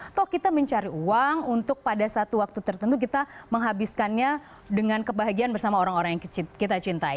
atau kita mencari uang untuk pada satu waktu tertentu kita menghabiskannya dengan kebahagiaan bersama orang orang yang kita cintai